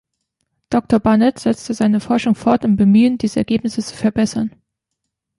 Doktor Barnett setzte seine Forschung fort im Bemühen, diese Ergebnisse zu verbessern.